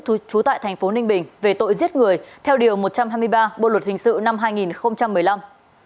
trú tại thành phố ninh bình về tội giết người theo điều một trăm hai mươi ba bộ luật hình sự năm hai nghìn một mươi năm